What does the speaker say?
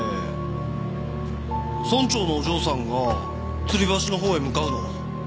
村長のお嬢さんがつり橋のほうへ向かうのを。